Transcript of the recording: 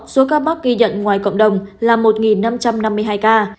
số ca mắc ghi nhận ngoài cộng đồng là một năm trăm năm mươi hai ca